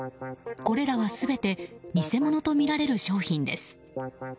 これらは全て偽物とみられる商品です。